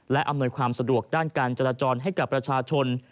และอำนวยความสะดวกด้านการจราจรให้กับประชาชน